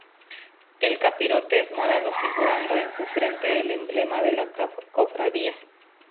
El capirote es morado figurando en su frente el emblema de la cofradía.